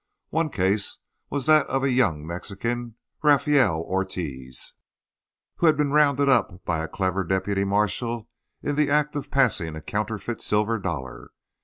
One case was that of a young Mexican, Rafael Ortiz, who had been rounded up by a clever deputy marshal in the act of passing a counterfeit silver dollar.